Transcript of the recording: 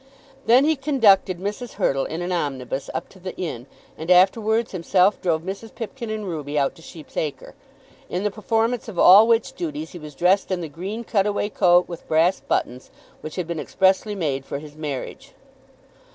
Then he conducted Mrs. Hurtle in an omnibus up to the Inn, and afterwards himself drove Mrs. Pipkin and Ruby out to Sheep's Acre; in the performance of all which duties he was dressed in the green cutaway coat with brass buttons which had been expressly made for his marriage.